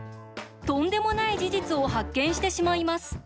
とんでもない事実を発見してしまいます。